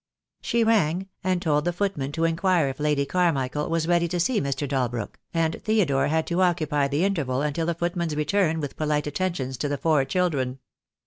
She rang, and told the footman to inquire if Lady Carmichael was ready to see Mr. Dalbrook, and Theodore had to occupy the interval until the footman's return with polite attentions to the four children.